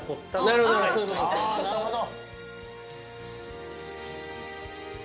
なるほど。